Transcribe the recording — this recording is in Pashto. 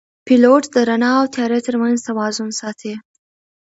پیلوټ د رڼا او تیاره ترمنځ توازن ساتي.